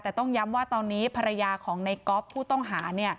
แต่ต้องย้ำว่าตอนนี้ภรรยาของในก๊อฟผู้ต้องหา